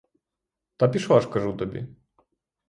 Та пішла ж, кажу тобі!